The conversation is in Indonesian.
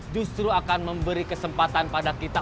justru akan memberi kesempatan pada kita